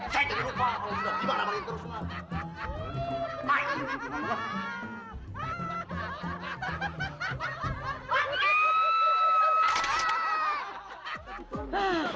saya jadi lupa kalau sudah gimana lagi terus